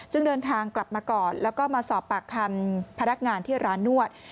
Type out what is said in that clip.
ซึ่งเดินทางกลับมาก่อนแล้วก็มาสอบปากคำพนักงานที่ร้านนวด